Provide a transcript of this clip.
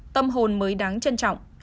tâm hồn mới đáng trân trọng